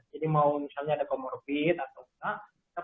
jadi mau misalnya ada komorbit atau enggak